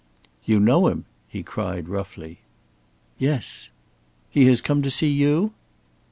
"You know him!" he cried, roughly. "Yes." "He has come to see you?"